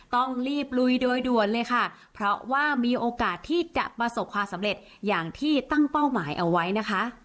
ต้องรีบลุยโดยด่วนเลยค่ะเพราะว่ามีโอกาสที่จะประสบความสำเร็จอย่างที่ตั้งเป้าหมายเอาไว้นะคะ